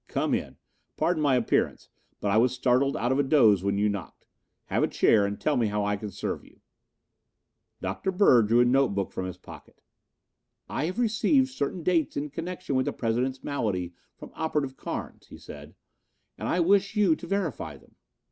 "Come in. Pardon my appearance, but I was startled out of a doze when you knocked. Have a chair and tell me how I can serve you." Dr. Bird drew a notebook from his pocket. "I have received certain dates in connection with the President's malady from Operative Carnes," he said, "and I wish you to verify them."